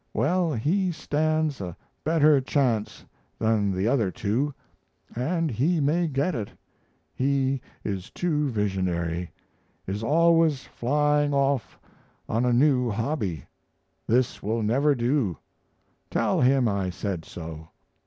Well, he stands a better chance than the other two, and he may get it; he is too visionary is always flying off on a new hobby; this will never do tell him I said so.